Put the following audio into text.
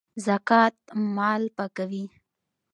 زکات مال پاکوي